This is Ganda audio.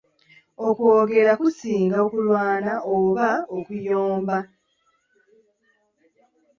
Okwogera kusinga okulwana oba okuyomba.